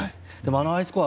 あのアイスコア